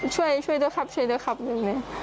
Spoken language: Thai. ช่วยช่วยด้วยครับช่วยด้วยครับหนึ่งเลย